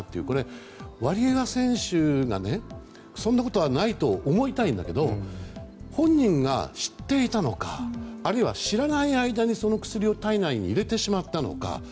これはワリエワ選手がそんなことはないと思いたいけど本人が知っていたのかあるいは知らない間にその薬を体内に入れてしまったのか。